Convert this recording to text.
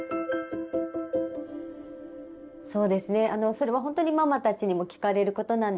それはほんとにママたちにも聞かれることなんですね。